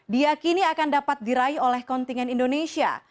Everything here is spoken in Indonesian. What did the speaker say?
diakini akan dapat diraih oleh kontingen indonesia